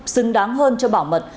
xứng đáng hơn cho bảo mật